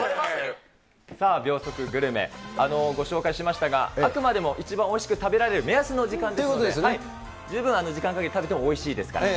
さあ、秒速グルメ、ご紹介しましたが、あくまでも一番おいしく食べられる目安の時間ですので、十分時間かけて食べてもおいしいですから。